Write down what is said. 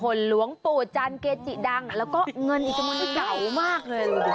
เหมือนหลวงปู่จานเกจิดังแล้วก็เงินเก่ามากเลย